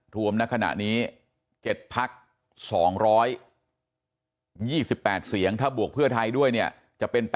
ณขณะนี้๗พัก๒๒๘เสียงถ้าบวกเพื่อไทยด้วยเนี่ยจะเป็น๘